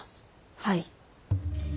はい。